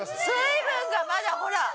水分がまだほら。